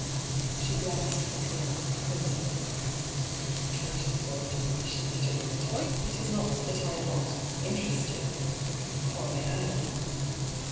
She glanced quickly up, crimsoning. ' I cannot afford to be,' she bitterly returned. ' It is not that I am not — interested — for I am.